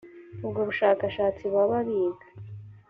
ubwo bushakashatsi baba biga